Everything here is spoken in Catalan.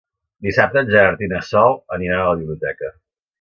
Dissabte en Gerard i na Sol aniran a la biblioteca.